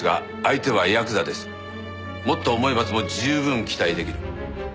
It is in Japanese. もっと重い罰も十分期待出来る。